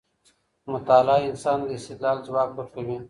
مطالعه انسان ته د استدلال ځواک ورکوي.